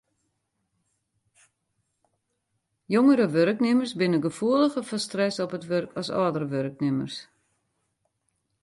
Jongere wurknimmers binne gefoeliger foar stress op it wurk as âldere wurknimmers.